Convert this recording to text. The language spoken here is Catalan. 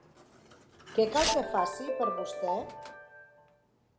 Què cal que faci per vostè?